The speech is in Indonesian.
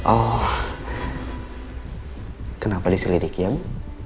oh kenapa diselidiki ibu